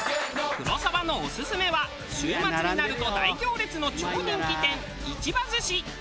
黒沢のオススメは週末になると大行列の超人気店市場寿し。